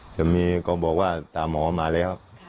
จะบอกว่าตาหมอมาแล้ว